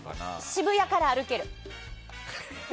渋谷から歩ける。